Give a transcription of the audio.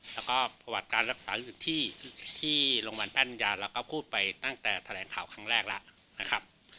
แล้วก็ประวัติการรักษาอยู่ที่โรงพยาบาลแป้นยาเราก็พูดไปตั้งแต่แถลงข่าวครั้งแรกแล้วนะครับ